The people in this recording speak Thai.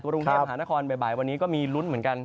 กรุงเทพมหานครบ่ายวันนี้ก็มีลุ้นเหมือนกัน